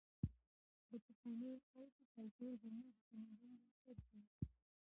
د پخوانیو خلکو کلتور زموږ د تمدن بنسټ دی.